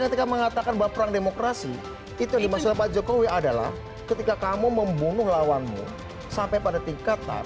ketika mengatakan bahwa perang demokrasi itu yang dimaksudkan pak jokowi adalah ketika kamu membunuh lawanmu sampai pada tingkatan